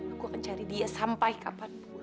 aku akan cari dia sampai kapanpun